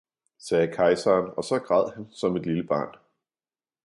sagde Keiseren, og saa græd han, som et lille Barn.